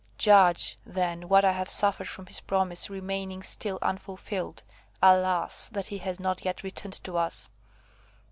Judge, then, what I have suffered from his promise remaining still unfulfilled. Alas! that he has not yet returned to us!"